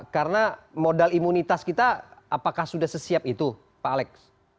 karena modal imunitas kita apakah sudah sesiap itu pak alek